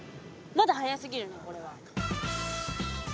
まだ早すぎるねこれは。